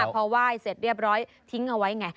พอไหว้เสร็จเรียบร้อยทิ้งเอาไว้ไง